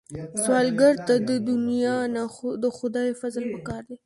سوالګر ته د دنیا نه، د خدای فضل پکار دی